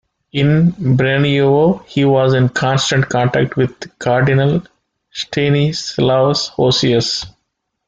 In Braniewo he was in constant contact with Cardinal Stanislaus Hosius.